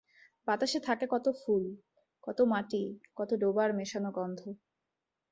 বাতাসে থাকে কত ফুল, কত মাটি, কত ডোবার মেশানো গন্ধ।